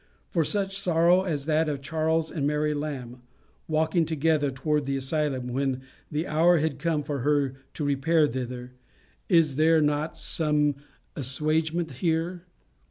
For such sorrow as that of Charles and Mary Lamb, walking together towards the asylum, when the hour had come for her to repair thither, is there not some assuagement here?